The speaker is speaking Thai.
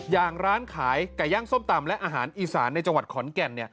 อย่างร้านขายไก่ย่างส้มตำและอาหารอีสานในจังหวัดขอนแก่น